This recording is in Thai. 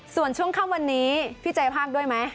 ส่วนช่วงค่ำวันนี้พี่ใจภาคด้วยไหม